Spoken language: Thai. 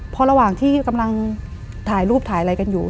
พอระหว่างที่กำลังถ่ายรูปถ่ายอะไรกันอยู่